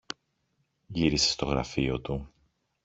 Γύρισε στο γραφείο του